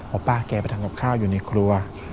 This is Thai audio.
ป้าแกไปทำกับข้าวอยู่ในครัว